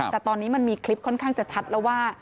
แต่ตอนนี้มันมีคลิปค่อนข้างจะชัดแล้วว่า